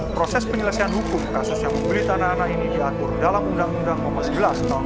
proses penyelesaian hukum kasus yang membeli tanah anak ini diatur dalam undang undang nomor sebelas tahun dua ribu dua puluh